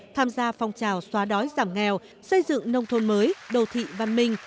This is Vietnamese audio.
tham gia phong trào xóa đói giảm nghèo xây dựng nông thôn mới đô thị văn minh